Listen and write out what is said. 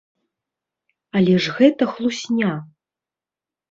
Але ж гэта хлусня.